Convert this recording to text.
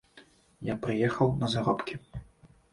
Я прыехаў на заробкі.